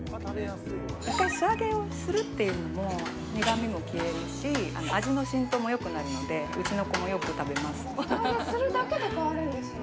一回素揚げをするっていうのも苦みも消えるし味の浸透もよくなるのでうちの子もよく食べます素揚げするだけで変わるんですね